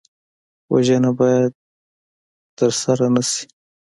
وژنه باید نه ترسره شي